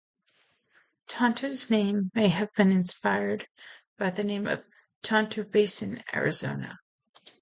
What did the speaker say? Tonto's name may have been inspired by the name of Tonto Basin, Arizona.